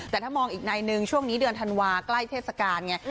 แต่ถ้ามองอีกในนึงช่วงนี้เดือนธันวาใกล้เทศกาลไง